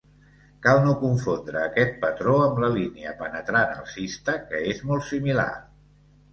Cal no confondre aquest patró amb la Línia penetrant alcista, que és molt similar.